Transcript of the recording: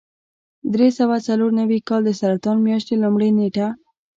د درې سوه څلور نوي کال د سرطان میاشتې لومړۍ نېټه.